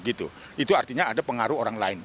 itu artinya ada pengaruh orang lain